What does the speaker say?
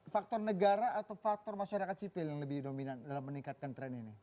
faktor negara atau faktor masyarakat sipil yang lebih dominan dalam meningkatkan tren ini